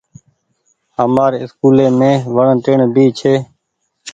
همآر اسڪولي مين وڻ ٽيئڻ ڀي ڇي۔